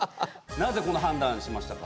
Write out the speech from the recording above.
なぜこの判断しましたか？